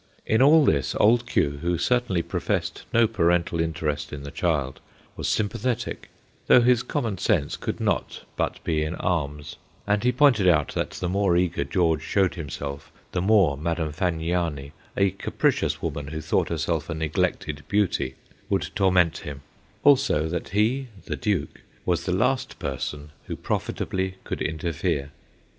In all this Old Q. who certainly professed no parental interest in the child was sympathetic, MIE MIE 71 though his common sense could not but be in arms, and he pointed out that the more eager George showed himself, the more Madame Fagniani, a capricious woman who thought herself a neglected beauty, would torment him ; also that he, the Duke, was the last person who profitably could inter fere.